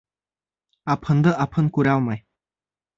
Апһынды апһын күрә алмай.